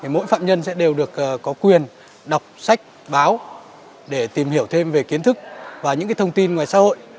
mỗi phạm nhân sẽ đều được có quyền đọc sách báo để tìm hiểu thêm về kiến thức và những thông tin ngoài xã hội